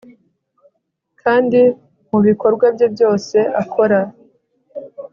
kandi mubikorwa bye byose akora